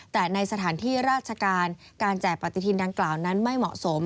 แต่ในสถานที่ราชการการแจกปฏิทินดังกล่าวนั้นไม่เหมาะสม